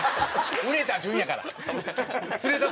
売れた順やから。